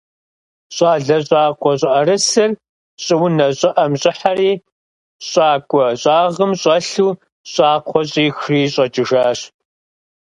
Щӏалэ щӏакъуэ щӏыӏэрысыр щӏыунэ щӏыӏэм щӏыхьэри, щӏакӏуэ щӏагъым щӏэлъу щӏакхъуэ щӏихри щӏэкӏыжащ.